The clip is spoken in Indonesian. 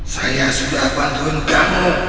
saya sudah bantuin kamu